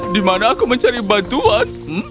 di mana aku mencari bantuan